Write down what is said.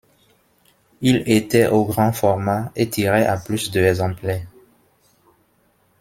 Il était au grand format et tirait à plus de exemplaires.